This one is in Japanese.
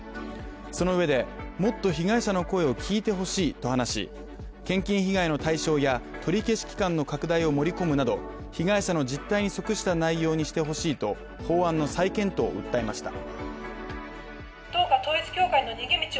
そのうえで、もっと被害者の声を聞いてほしいと話し、献金被害の対象や取り消し期間の拡大を盛り込むなど被害者の実態に即した内容にしてほしいと法案の再検討を訴えました。